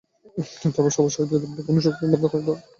তবে সবার সহযোগিতা পেলে কোনো শক্তিই বাধা হয়ে দাঁড়াতে পারবে না।